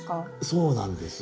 そうなんです。